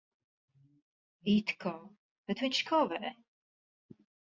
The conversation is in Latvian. It kā. Bet viņš kavē.